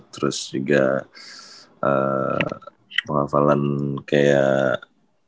terus juga penghafalan kayak